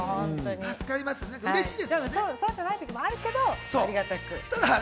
そうじゃない時もあるけど、ありがたく。